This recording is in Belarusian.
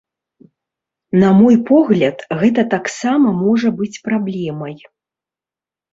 На мой погляд, гэта таксама можа быць праблемай.